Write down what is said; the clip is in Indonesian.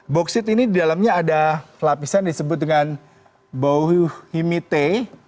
boksit ini di dalamnya ada lapisan disebut dengan bohumite